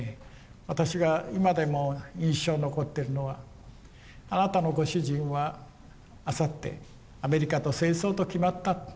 私が今でも印象に残ってるのはあなたのご主人はあさってアメリカと戦争と決まった。